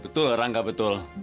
betul rangga betul